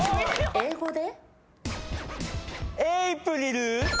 英語で？